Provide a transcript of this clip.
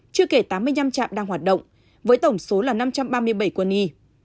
chưa kể tám mươi năm trạm đang hoạt động với tổng số là năm trăm ba mươi bảy quân y